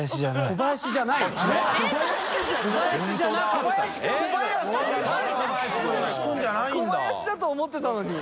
小林だと思ってたのに！